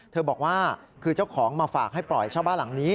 บอกว่าคือเจ้าของมาฝากให้ปล่อยเช่าบ้านหลังนี้